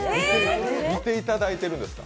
見ていただいてるんですか？